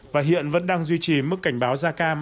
và hiện vẫn đang duy trì mức cảnh báo da cam